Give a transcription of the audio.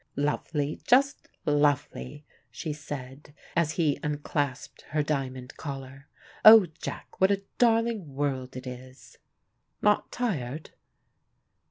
"Lovely, just lovely," she said, as he unclasped her diamond collar. "Oh, Jack, what a darling world it is!" "Not tired?"